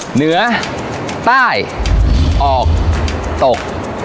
เหนือใต้ออกตก